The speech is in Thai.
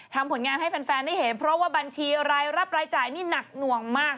ผลงานให้แฟนได้เห็นเพราะว่าบัญชีรายรับรายจ่ายนี่หนักหน่วงมาก